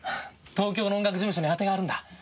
東京の音楽事務所に当てがあるんだ。